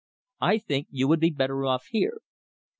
"I think you would be better off here."